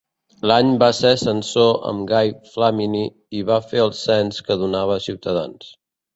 L'any va ser censor amb Gai Flamini i va fer el cens que donava ciutadans.